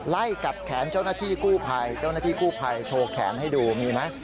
ไล่กัดแขนเจ้าหน้าที่กู้ภัยเจ้าหน้าที่กู้ภัยโชว์แขนให้ดูมีไหม